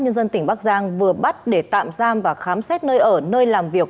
nhân dân tỉnh bắc giang vừa bắt để tạm giam và khám xét nơi ở nơi làm việc